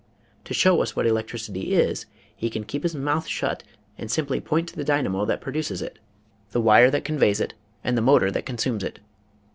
To show us what electricity is he can keep his mouth shut and simply point to the dynamo that produces it, the wire that conveys it and the motor that consumes it.